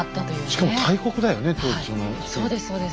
しかも大国だよね